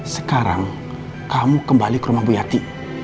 sekarang kamu kembali ke rumah bu yati